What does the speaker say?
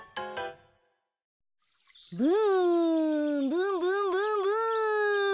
ブンブンブンブン！